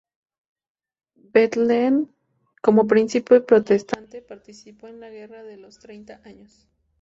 Bethlen, como príncipe protestante, participó en la guerra de los Treinta Años.